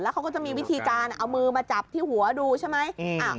เขาก็จะมีวิธีการเอามือมาจับที่หัวดูใช่ไหม